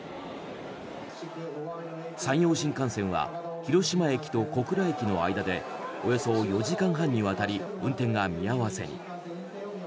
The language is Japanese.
山陽新幹線は広島駅と小倉駅の間でおよそ４時間半にわたり運転が見合わせに。